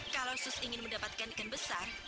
kalau sus ingin mendapatkan ikan besar